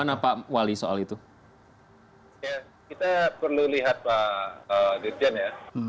ya kita perlu lihat pak dirjen ya